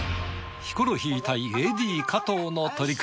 ヒコロヒー対ＡＤ加藤の取組。